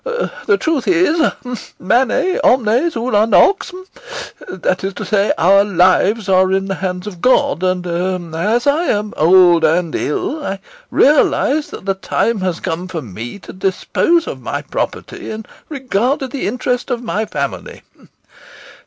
The truth is, manet omnes una nox, that is to say, our lives are in the hands of God, and as I am old and ill, I realise that the time has come for me to dispose of my property in regard to the interests of my family.